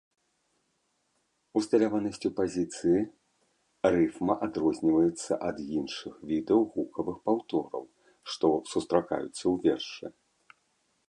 Усталяванасцю пазіцыі рыфма адрозніваецца ад іншых відаў гукавых паўтораў, што сустракаюцца ў вершы.